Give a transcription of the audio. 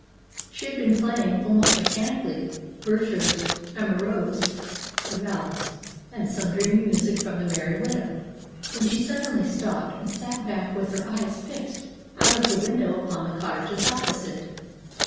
She had been playing almost mechanically Berger's "Amoureuse" valse and some dreamy music from The Merry Widow, when she suddenly stopped and sat back with her eyes fixed out of the window upon the cottages opposite.